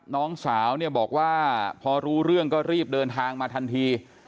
น้องสาวเนี่ยบอกว่าพอรู้เรื่องก็รีบเดินทางมาทันที